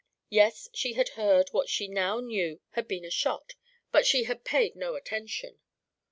Yes, she had heard what she now knew had been a shot but she had paid no attention.